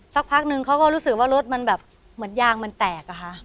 สักพักนึงเขาก็รู้สึกว่ารถมันแบบเหมือนยางมันแตกอะค่ะ